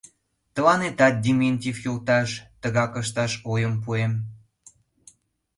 Тыланетат, Дементьев йолташ, тыгак ышташ ойым пуэм.